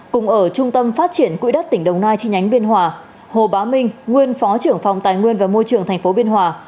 cùng ở trung tâm phát triển quỹ đất tỉnh đồng nai chi nhánh biên hòa hồ bá minh nguyên phó trưởng phòng tài nguyên và môi trường tp biên hòa